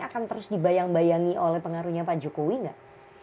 akan terus dibayang bayangi oleh pengaruhnya pak jokowi nggak